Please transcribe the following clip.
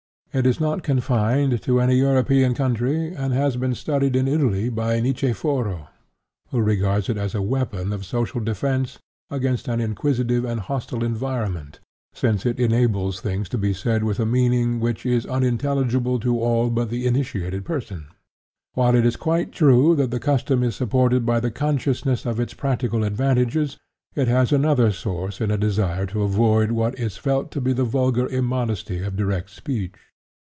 It is not confined to any European country, and has been studied in Italy by Niceforo (Il Gergo, 1897, cap. 1 and 2), who regards it as a weapon of social defence against an inquisitive or hostile environment, since it enables things to be said with a meaning which is unintelligible to all but the initiated person. While it is quite true that the custom is supported by the consciousness of its practical advantages, it has another source in a desire to avoid what is felt to be the vulgar immodesty of direct speech.